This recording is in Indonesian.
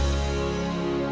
aku pilih siapa